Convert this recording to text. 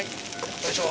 よいしょ。